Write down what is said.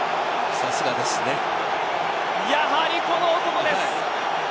やはりこの男です。